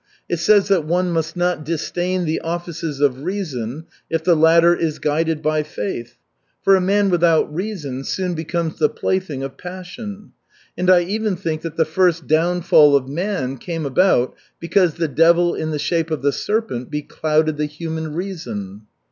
It says that one must not disdain the offices of reason if the latter is guided by faith, for a man without reason soon becomes the plaything of passion; and I even think that the first downfall of man came about because the devil in the shape of the serpent beclouded the human reason."